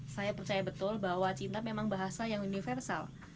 saya percaya betul bahwa cinta memang bahasa yang universal